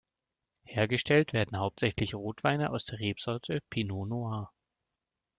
Hergestellt werden hauptsächlich Rotweine aus der Rebsorte Pinot noir.